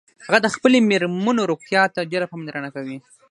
هغه د خپلې میرمنیروغتیا ته ډیره پاملرنه کوي